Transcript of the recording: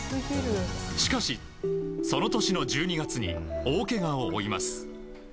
しかし、その年の１２月に大けがを負います。